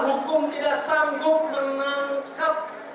hukum tidak sanggup menangkap